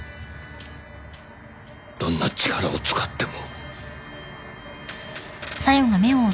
どんな力を使っても。